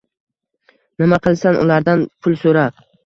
Nima qilasan ulardan pul soʻrab?